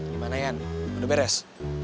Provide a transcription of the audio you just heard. gimana yan udah beres